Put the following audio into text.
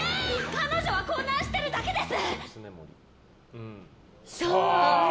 彼女は混乱してるだけです！